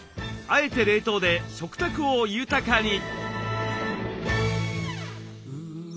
「あえて」冷凍で食卓を豊かに。